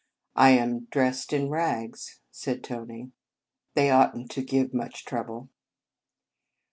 " I am dressed in rags," said Tony. " They ought n t to give much trou ble."